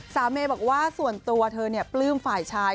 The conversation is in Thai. เมย์บอกว่าส่วนตัวเธอปลื้มฝ่ายชาย